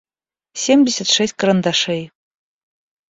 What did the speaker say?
семьдесят шесть карандашей